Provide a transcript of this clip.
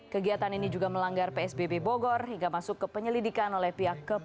kegiatan ini juga melanggar psbb bogor hingga masuk ke penyelidikan oleh pihak kepolisian